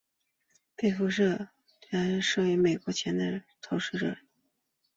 被福布斯杂志评选为美国前十投资者。